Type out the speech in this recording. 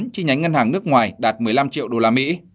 chín chi nhánh ngân hàng nước ngoài đạt một mươi năm triệu đô la mỹ